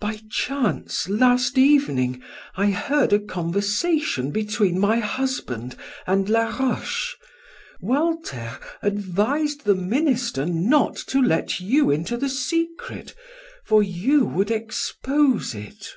"By chance last evening I heard a conversation between my husband and Laroche. Walter advised the minister not to let you into the secret for you would expose it."